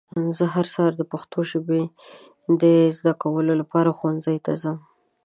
زه هر سهار د پښتو ژبه د ذده کولو لپاره ښونځي ته ځم.